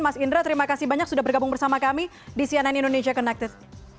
mas indra terima kasih banyak sudah bergabung bersama kami di cnn indonesia connected